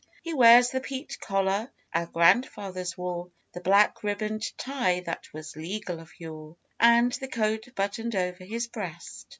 He wears the peaked collar our grandfathers wore, The black ribboned tie that was legal of yore, And the coat buttoned over his breast.